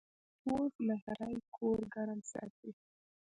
پوخ نغری کور ګرم ساتي